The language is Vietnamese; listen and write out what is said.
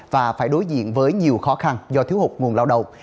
và phải đối diện với nhiều khó khăn do thiếu hụt nguồn lao động